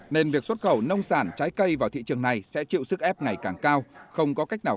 nên việc xuất khẩu nông sản trái cây vào thị trường này sẽ chịu sức ép ngày càng cao